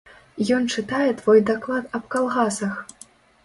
Ён чытае твой даклад аб калгасах!